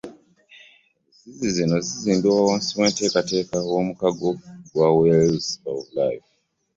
Enzizi zino zizimbiddwa wansi w'enteekateeka y'omukago gwa Wells of Life